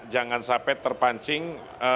jangan sampai terpancing